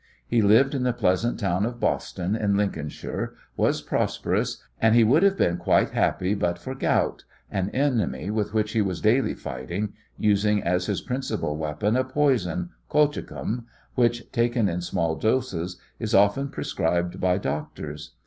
He lived in the pleasant town of Boston, in Lincolnshire, was prosperous, and he would have been quite happy but for gout, an enemy with which he was daily fighting, using as his principal weapon a poison colchicum which, taken in small doses, is often prescribed by doctors.